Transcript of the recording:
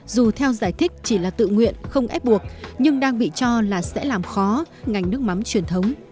dù theo giải thích chỉ là tự nguyện không ép buộc nhưng đang bị cho là sẽ làm khó ngành nước mắm truyền thống